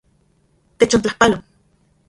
Techontlajpalo.